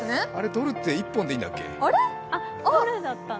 ドルって１本でいいんだっけ？